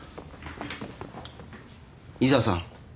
井沢さん